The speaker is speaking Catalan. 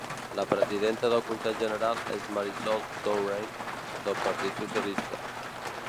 La presidenta del Consell General és Marisol Touraine, del partit socialista.